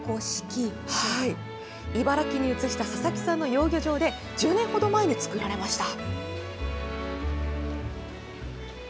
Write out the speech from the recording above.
茨城に移した佐々木さんの養魚場で、１０年ほど前に作られました。